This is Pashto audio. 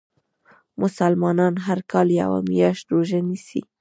مسلمانان هر کال یوه میاشت روژه نیسي .